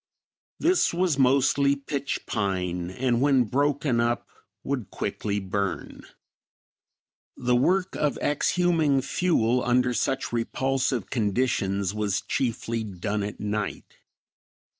This was mostly pitch pine and when broken up would quickly burn. The work of exhuming fuel under such repulsive conditions was chiefly done at night.